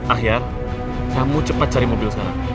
ahyar kamu cepat cari mobil sekarang